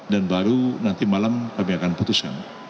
dan baru nanti malam kami akan putuskan